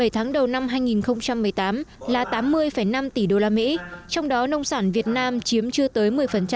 bảy tháng đầu năm hai nghìn một mươi tám là tám mươi năm tỷ đô la mỹ trong đó nông sản việt nam chiếm chưa tới một mươi